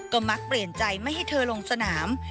ก็มักเปลี่ยนใจไม่ให้เธอลงสนาม